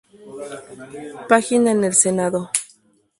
Página en el Senado